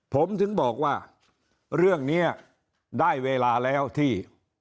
ผมถึงบอกว่าเรื่องนี้ได้เวลาแล้วที่